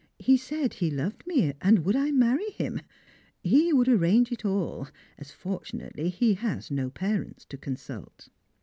He said he loved me, and would I marry him; he would arrange it all, as fortunately he has no parents to consult.